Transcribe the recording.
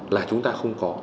là chúng ta không có